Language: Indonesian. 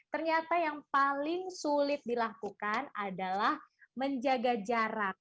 ternyata yang paling sulit dilakukan adalah menjaga jarak